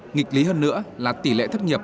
nghịch lý hơn nữa là tỷ lệ thất nghiệp